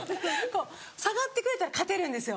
こう下がってくれたら勝てるんですよ。